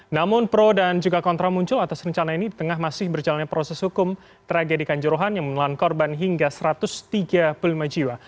namun pro dan juga kontra muncul atas rencana ini di tengah masih berjalannya proses hukum tragedi kanjuruhan yang menelan korban hingga satu ratus tiga puluh lima jiwa